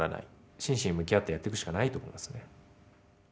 真摯に向き合ってやっていくしかないと思いますね。